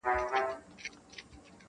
ځکه نه خېژي په تله برابر د جهان یاره,